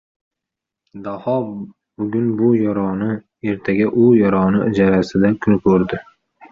Daho bugun bu yoroni, ertaga u yoroni ijarasida kun ko‘rdi.